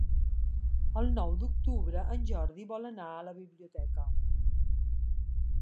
El nou d'octubre en Jordi vol anar a la biblioteca.